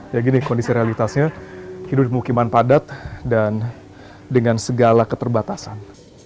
ya gini kondisi realitasnya hidup di pemukiman padat dan dengan segala keterbatasan